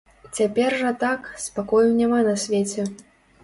Цяпер жа так, спакою няма на свеце.